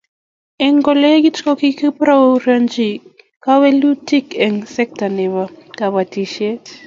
Eng kolegit kokebaorionchi kewelutik eng sekta nebo kobotisiet